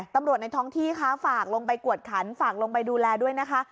ในท้องที่คะฝากลงไปกวดขันฝากลงไปดูแลด้วยนะคะ